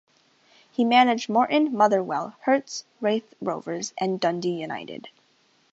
He managed Morton, Motherwell, Hearts, Raith Rovers and Dundee United.